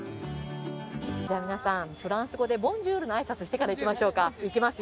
じゃあ皆さんフランス語で「ボンジュール」のあいさつしてから行きましょうかいきます